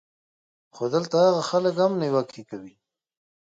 خو دلته هاغه خلک هم نېوکې کوي